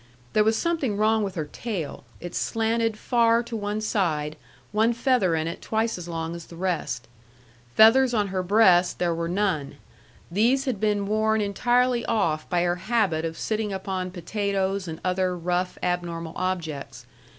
There was something wrong with her tail. It slanted far to one side, one feather in it twice as long as the rest. Feathers on her breast there were none. These had been worn entirely off by her habit of sitting upon potatoes and other rough abnormal objects.